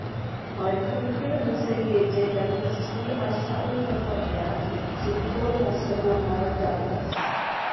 Mae'r cwricwlwm yn seiliedig ar ddysgu ar sail perfformiad sy'n cwrdd â safonau'r dalaith.